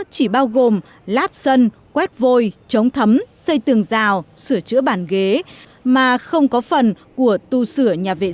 chỉ bao gồm lát sân quét vôi chống thấm xây tường rào sửa chữa bàn ghế mà không có phần của tu sửa nhà vệ sinh